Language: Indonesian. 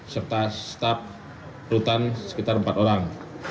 serta staf rutan sekitar empat orang